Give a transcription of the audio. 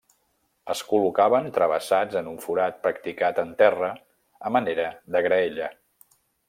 Es col·locaven travessats en un forat practicat en terra a manera de graella.